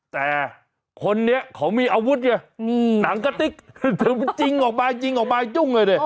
แต่คนนี้เขามีอาวุธนี่หนังกะติ๊กจิ้งออกมาจิ้งออกมาจุ้งเลย